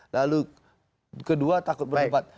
lalu kedua takut berdumpat